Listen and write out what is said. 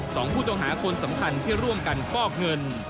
สองผู้ต้องหาคนสำคัญที่ร่วมกันฟอกเงิน